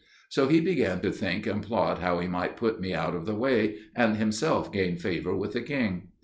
So he began to think and plot how he might put me out of the way, and himself gain favour with the king.